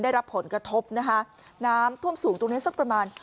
ได้รับผลกระทบนะคะน้ำท่วมสูงตรงนี้สักประมาณ